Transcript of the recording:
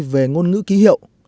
về ngôn ngữ ký hiệu